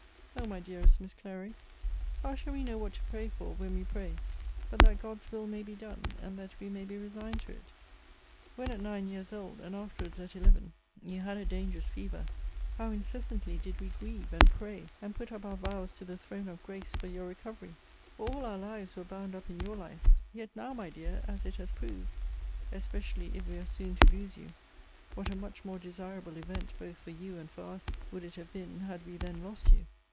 O my dearest Miss Clary, how shall we know what to pray for, when we pray, but that God's will may be done, and that we may be resigned to it! When at nine years old, and afterwards at eleven, you had a dangerous fever, how incessantly did we grieve, and pray, and put up our vows to the Throne of Grace, for your recovery! For all our lives were bound up in your life yet now, my dear, as it has proved, [especially if we are soon to lose you,] what a much more desirable event, both for you and for us, would it have been, had we then lost you!